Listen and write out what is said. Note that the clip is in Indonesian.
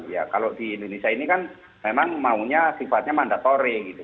ya kalau di indonesia ini kan memang maunya sifatnya mandatori gitu